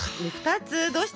どうした？